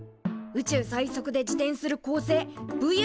宇宙最速で自転する恒星ＶＦＴＳ